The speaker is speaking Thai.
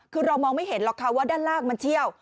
คือเรามองไม่เห็นหรอกค่ะว่าด้านล่างมันเชี่ยว